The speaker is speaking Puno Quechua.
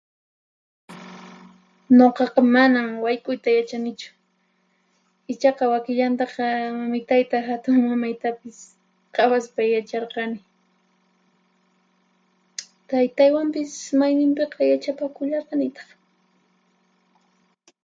Nuqaqa manan wayk'uyta yachanichu, ichaqa wakinllataqa mamitayta hatunmamaytapis qhawaspay yacharqani. Taytaywanpis mayninpiqa yachapakullaranitaq.